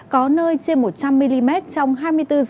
có nơi trên một trăm linh mm trong hai mươi bốn h